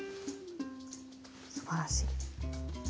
すばらしい。